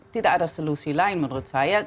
tidak ada solusi lain menurut saya